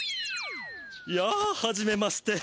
やあはじめまして。